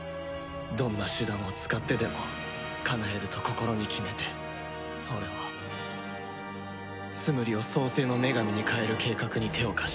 どんな手段を使ってでもかなえると心に決めて俺はツムリを創世の女神に変える計画に手を貸した